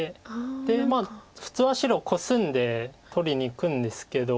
で普通は白コスんで取りにいくんですけど。